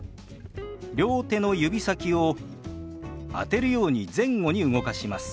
両手の指先を当てるように前後に動かします。